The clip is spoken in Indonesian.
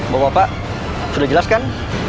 bapak bapak sudah jelas kan